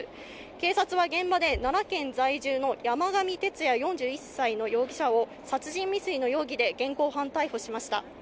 警察は現場で奈良県在住の山上徹也、４１歳の容疑者を殺人未遂の容疑で現行犯逮捕しました。